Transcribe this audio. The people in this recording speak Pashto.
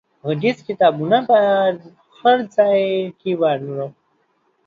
غږیز کتابونه په هر ځای کې واورو.